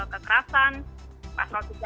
kekerasan pasal tiga puluh enam